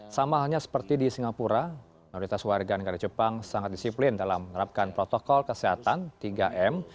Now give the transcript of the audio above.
sama halnya seperti di singapura mayoritas warga negara jepang sangat disiplin dalam menerapkan protokol kesehatan tiga m